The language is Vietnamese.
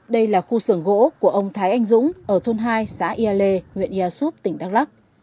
đây là khu xưởng gỗ của ông thái anh dũng ở thôn hai xã yêu lê huyện yêu xúc tỉnh đắk lắc